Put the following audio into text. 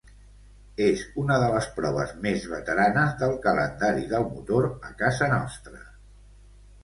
És una de les proves més veteranes del calendari del motor a casa nostra.